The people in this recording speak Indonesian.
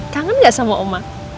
kangen gak sama oma